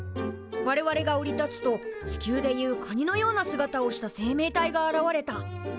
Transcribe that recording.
我々が降り立つと地球で言うカニのような姿をした生命体が現れた」。